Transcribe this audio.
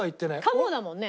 カモだもんね。